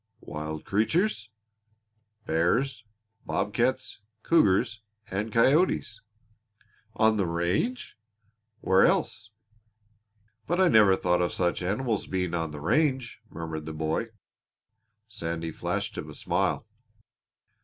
"Wild creatures?" "Bears, bob cats, cougars, and coyotes." "On the range!" cried Donald. "Where else?" "But I never thought of such animals being on the range!" murmured the boy. Sandy flashed him a smile.